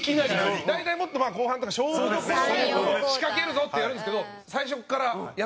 大体、もっと後半とか勝負どころで仕掛けるぞってやるんですけど最初からやったりするんで。